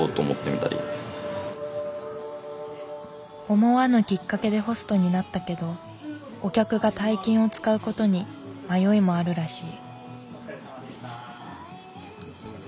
思わぬきっかけでホストになったけどお客が大金を使うことに迷いもあるらしい。